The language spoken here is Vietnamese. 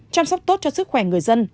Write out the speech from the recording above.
chăm sóc tốt cho sức khỏe người dân